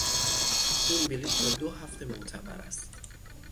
این بلیط تا دو هفته معتبر است.